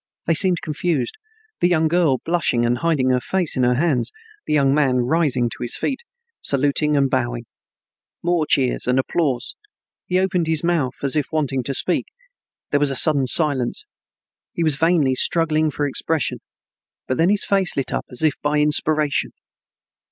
They seemed confused, the young girl blushing and hiding her face in her hands, the young man rising to his feet, saluting and bowing. More cheers and applause. He opened his mouth as if wanting to speak. There was a sudden silence. He was vainly struggling for expression, but then his face lit up as if by inspiration.